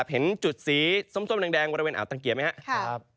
เห็นจุดสีส้มแดงบริเวณอ่าวตังเกียร์ไหมครับ